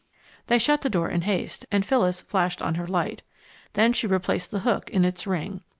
They shut the door in haste, and Phyllis flashed on her light. Then she replaced the hook in its ring.